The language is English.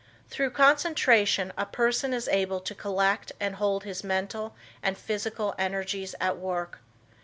Through concentration a person is able to collect and hold his mental and physical energies at work.